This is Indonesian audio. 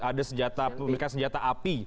ada pemilikan senjata api